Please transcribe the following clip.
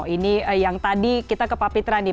ini yang tadi kita ke pak pitra nih